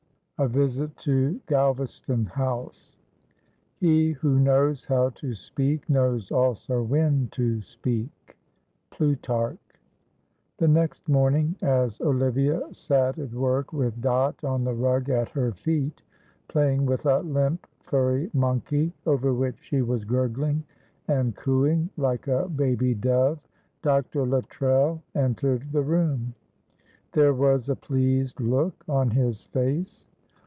A VISIT TO GALVASTON HOUSE. "He who knows how to speak knows also when to speak." Plutarch. The next morning as Olivia sat at work with Dot on the rug at her feet, playing with a limp furry monkey, over which she was gurgling and cooing like a baby dove, Dr. Luttrell entered the room; there was a pleased look on his face.